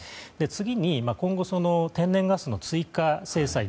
次に今後、天然ガスの追加制裁